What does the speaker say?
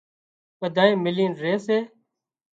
ٻڌانئين ملين ري سي